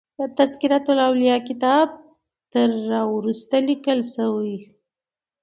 تذکرة الاولیاء کتاب تر را وروسته لیکل شوی.